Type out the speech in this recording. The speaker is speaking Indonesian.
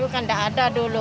dulu kan nggak ada dulu